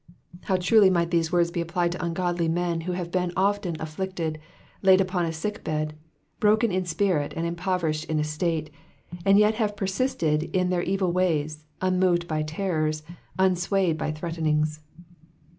How truly might these words be applied to ungodly men who have been often afflicted, laid upon a sick bed« broken in spirit, and impov erished in estate, and yet have persevered in their evil ways, unrafoved by terrors, unswayed by threatenings.